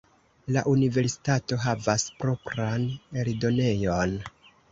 La universitato havas propran eldonejon.